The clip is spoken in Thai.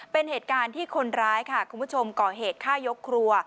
เป็นเหตุการณ์ที่คนร้ายค่ะคุณผู้ชมก่อเหตุฆ่ายกครัว